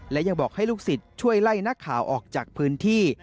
และยังบอกให้ลูกศิษย์ช่วยไล่นักข่าวออกจากพื้นที่